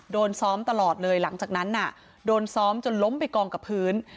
โดนซ้อมตลอดเลยหลังจากนั้นน่ะโดนซ้อมจนล้มไปกองกับพื้น